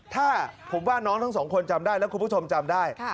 ถ้าผมว่าน้องทั้งสองคนจำได้แล้วคุณผู้ชมจำได้